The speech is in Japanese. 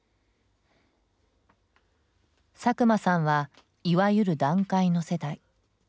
佐久間さんはいわゆる団塊の世代。